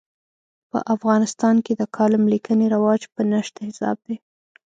په افغانستان کې د کالم لیکنې رواج په نشت حساب دی.